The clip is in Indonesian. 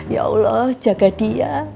ya allah jaga dia